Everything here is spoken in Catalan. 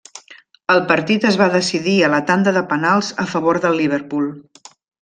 El partit es va decidir a la tanda de penals a favor del Liverpool.